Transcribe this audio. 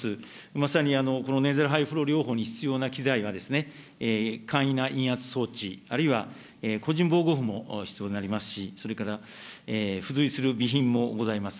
まさにこのネーザルハイフロー療法に必要な機材が、簡易な陰圧装置、あるいは個人防護服も必要になりますし、それから付随する備品もございます。